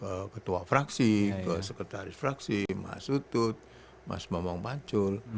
ke ketua fraksi ke sekretaris fraksi mas utut mas bambang pacul